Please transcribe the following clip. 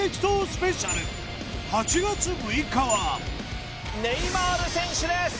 スペシャル８月６日はネイマール選手です！